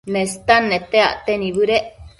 Nestan nete acte nibëdec